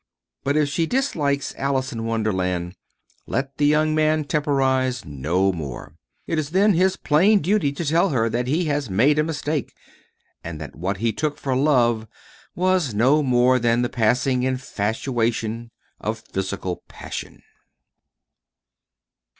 But if she dislikes Alice in Wonderland let the young man temporize no more. It is then his plain duty to tell her that he has made a mistake and that what he took for love was no more than the passing infatuation of physical passion.